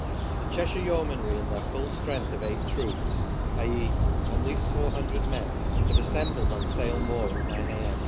The Cheshire Yeomanry, in their full strength of eight troops, i.e. at least 400 men, had assembled on Sale moor at 9 a.m.